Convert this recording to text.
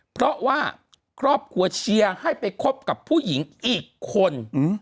เพราะว่าครอบครัวเชียร์ให้ไปคบกับผู้หญิงอีกคน